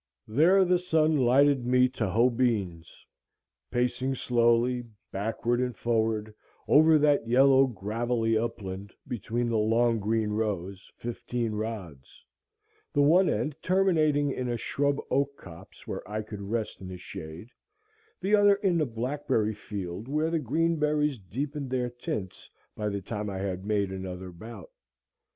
There the sun lighted me to hoe beans, pacing slowly backward and forward over that yellow gravelly upland, between the long green rows, fifteen rods, the one end terminating in a shrub oak copse where I could rest in the shade, the other in a blackberry field where the green berries deepened their tints by the time I had made another bout.